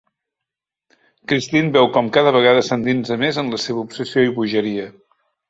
Christine veu com cada vegada s'endinsa més en la seva obsessió i bogeria.